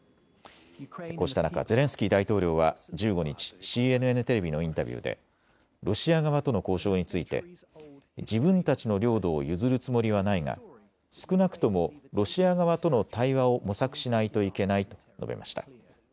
こうした中、ゼレンスキー大統領は１５日、ＣＮＮテレビのインタビューでロシア側との交渉について自分たちの領土を譲るつもりはないが少なくともロシア側との対話を模索しないといけないと述べました。